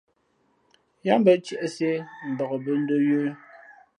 Yáá mbᾱ ntiēʼsē mbak bᾱ ndō yə̌.